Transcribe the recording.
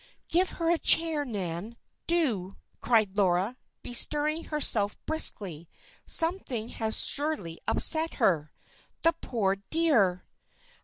"Give her a chair, Nan, do!" cried Laura, bestirring herself briskly. "Something has surely upset her. The poor dear!